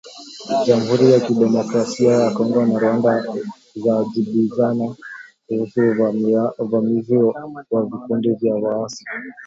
Jamhuri ya Kidemokrasia ya Kongo na Rwanda zajibizana kuhusu uvamizi wa vikundi vya waasi